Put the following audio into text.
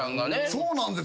そうなんですよ。